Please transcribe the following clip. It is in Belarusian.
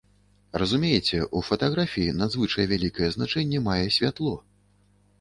Разумееце, у фатаграфіі надзвычай вялікае значэнне мае святло.